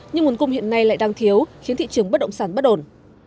nhưng nguồn cung hiện nay lại đang thiếu khiến thị trường bất động sản bất ổn